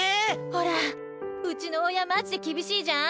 ほらうちのおやまじできびしいじゃん。